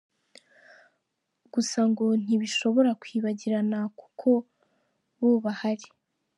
Gusa ngo ntishobora kwibagirana kuko bo bahari.